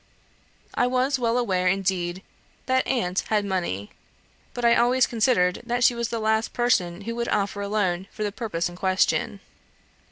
I was well aware, indeed, that aunt had money, but I always considered that she was the last person who would offer a loan for the purpose in question.